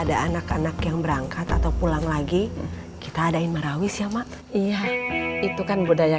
ada anak anak yang berangkat atau pulang lagi kita adain marawis ya mak iya itu kan budaya